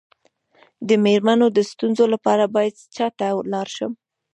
د میرمنو د ستونزو لپاره باید چا ته لاړ شم؟